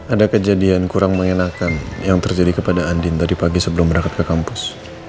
ada kejadian kurang mengenakan yang terjadi kepada andin tadi pagi sebelum berangkat ke kampus